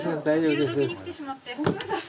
昼どきに来てしまって。